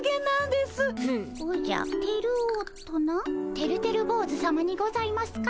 てるてる坊主さまにございますか？